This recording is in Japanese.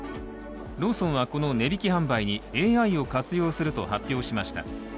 ローソンはこの値引き販売にＡＩを活用すると発表しました。